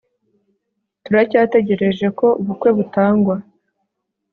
turacyategereje ko ubukwe butangwa